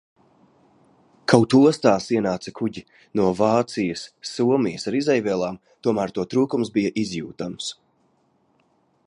Kaut ostās ienāca kuģi no Vācijas, Somijas ar izejvielām, tomēr to trūkums bija izjūtams.